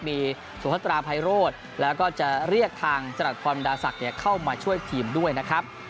มีสุพัตราภัยโรธแล้วก็จะเรียกทางจรัสพรดาศักดิ์เข้ามาช่วยทีมด้วยนะครับ